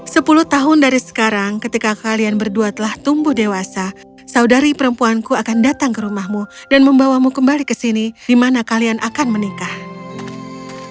sepuluh tahun dari sekarang ketika kalian berdua telah tumbuh dewasa saudari perempuanku akan datang ke rumahmu dan membawamu kembali ke sini di mana kalian akan menikah